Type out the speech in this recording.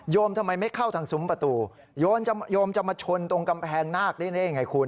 ทำไมไม่เข้าทางซุ้มประตูโยมโยมจะมาชนตรงกำแพงนาคได้ยังไงคุณ